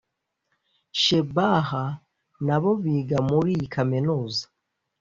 Shebah na bo biga muri iyi Kaminuza